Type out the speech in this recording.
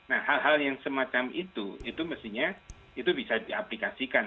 nah hal hal yang semacam itu itu mestinya itu bisa diaplikasikan